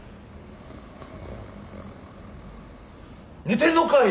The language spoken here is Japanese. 寝てんのかい！